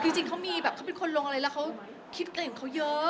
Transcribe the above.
จริงเขามีแบบเขาเป็นคนลงอะไรแล้วเขาคิดเก่งเขาเยอะ